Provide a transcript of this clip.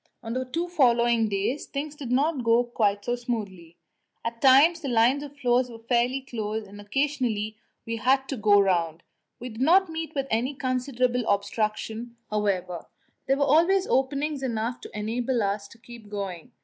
On the two following days things did not go quite so smoothly; at times the lines of floes were fairly close, and occasionally we had to go round. We did not meet with any considerable obstruction, however; there were always openings enough to enable us to keep going.